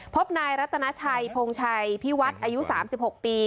พบนายรัตนาชัยพงชัยพิวัฒน์อายุ๓๖ปี